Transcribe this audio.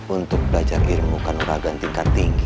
untuk belajar ilmu kanoragaan tingkat tinggi